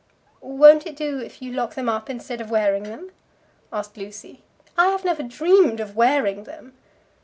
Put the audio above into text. "Won't it do if you lock them up instead of wearing them?" asked Lucy. "I have never dreamed of wearing them."